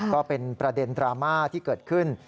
ก็เป็นประเด็นดราม่าที่เกิดขึ้น